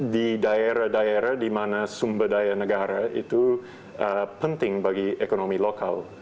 di daerah daerah di mana sumber daya negara itu penting bagi ekonomi lokal